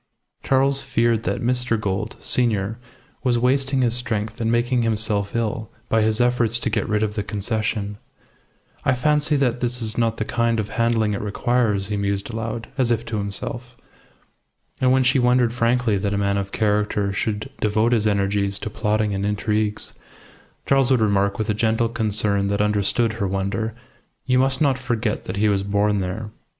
Charles feared that Mr. Gould, senior, was wasting his strength and making himself ill by his efforts to get rid of the Concession. "I fancy that this is not the kind of handling it requires," he mused aloud, as if to himself. And when she wondered frankly that a man of character should devote his energies to plotting and intrigues, Charles would remark, with a gentle concern that understood her wonder, "You must not forget that he was born there."